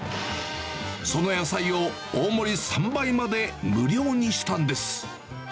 その野菜を大盛り３倍まで、無料にしたんです。